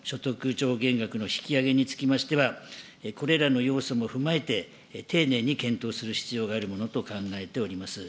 上限額の引き上げにつきましては、これらの要素も踏まえて丁寧に検討する必要があるものと考えております。